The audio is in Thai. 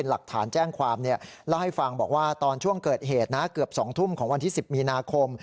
ละให้ฟังบอกว่าตอนช่วงเกิดเหตุนะเกือบ๒ทุ่มของวันที่๑๐มีนาคม